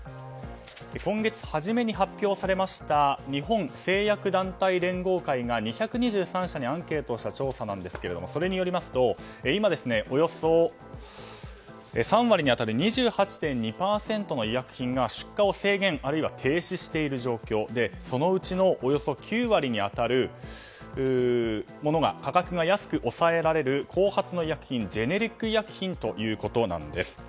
今月初めに発表されました日本製薬団体連合会が２２３社にアンケートをした調査ですがそれによりますと今およそ３割に当たる２８．２％の医薬品が出荷を制限あるいは停止している状況でそのうちのおよそ９割に当たるものが価格が安く抑えられる後発の医薬品ジェネリック医薬品ということです。